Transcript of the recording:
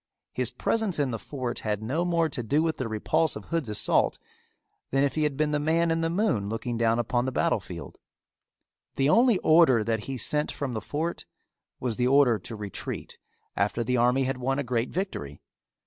His presence in the fort had no more to do with the repulse of Hood's assault than if he had been the man in the moon looking down upon the battle field. The only order that he sent from the fort was the order to retreat after the army had won a great victory.